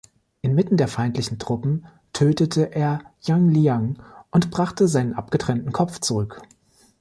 Inmitten der feindlichen Truppen tötete er Yan Liang und brachte seinen abgetrennten Kopf zurück.